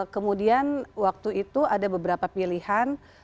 kemudian waktu itu ada beberapa pilihan